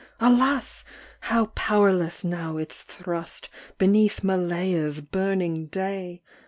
Alas ! how powerless now its thrust, Beneath Malaya's burning day